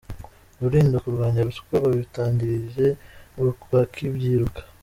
Rulindo Kurwanya ruswa babitangirije mu bakibyiruka